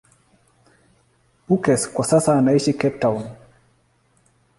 Beukes kwa sasa anaishi Cape Town.